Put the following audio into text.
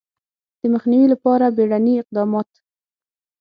د مخنیوي لپاره بیړني اقدامات